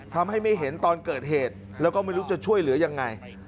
ทำให้ไม่เห็นตอนเกิดเหตุแล้วก็ไม่รู้จะช่วยเหลือยังไง